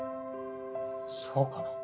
そうかな？